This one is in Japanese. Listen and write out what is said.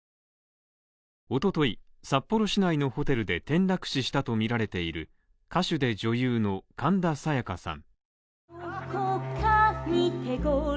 一昨日、札幌市内のホテルで転落死したとみられている歌手で女優の神田沙也加さん。